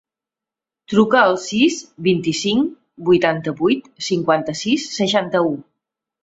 Truca al sis, vint-i-cinc, vuitanta-vuit, cinquanta-sis, seixanta-u.